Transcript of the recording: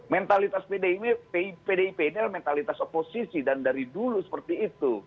mentalitas pdip ini adalah mentalitas oposisi dan dari dulu seperti itu